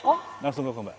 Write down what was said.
apakah langsung kokoh mbak